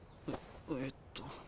ええっと。